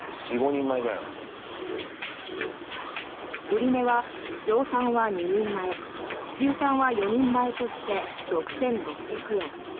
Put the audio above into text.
売値は上タンは２人前牛タンは４人前として６６００円。